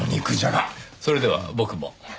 それでは僕も。